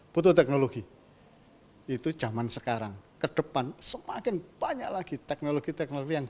butuh teknologi itu zaman sekarang ke depan semakin banyak lagi teknologi teknologi yang